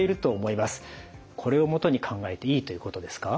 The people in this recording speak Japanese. これを基に考えていいということですか？